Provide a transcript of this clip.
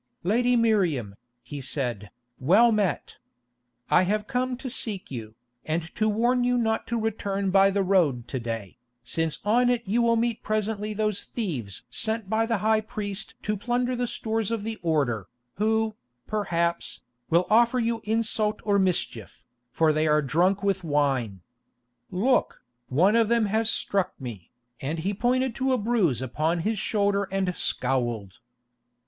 "Lady Miriam," he said, "well met. I have come to seek you, and to warn you not to return by the road to day, since on it you will meet presently those thieves sent by the high priest to plunder the stores of the Order, who, perhaps, will offer you insult or mischief, for they are drunk with wine. Look, one of them has struck me," and he pointed to a bruise upon his shoulder and scowled.